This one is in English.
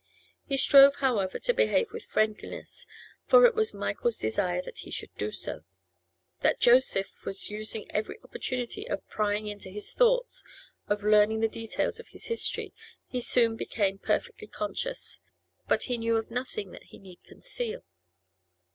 He strove, however, to behave with friendliness, for it was Michael's desire that he should do so. That Joseph was using every opportunity of prying into his thoughts, of learning the details of his history, he soon became perfectly conscious; but he knew of nothing that he need conceal.